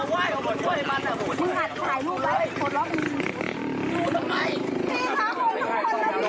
ด้วยเขาผู้ยาทั้งหมดโยนมาช่วย